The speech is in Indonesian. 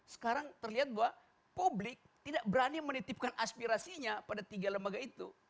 sekarang terlihat bahwa publik tidak berani menitipkan aspirasinya pada tiga lembaga itu